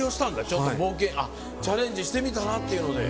ちょっと冒険チャレンジしてみたらっていうので。